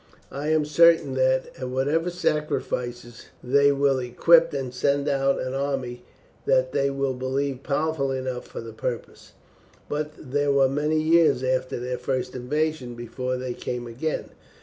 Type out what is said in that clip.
I am certain that, at whatever sacrifices, they will equip and send out an army that they will believe powerful enough for the purpose." "But they were many years after their first invasion before they came again."